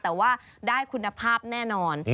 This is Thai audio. แต่ว่าได้คุณภาพแน่นอน